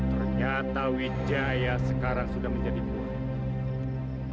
ternyata wijaya sekarang sudah menjadi buah